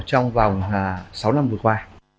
trong vòng sáu năm vừa qua